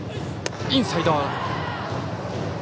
インサイド。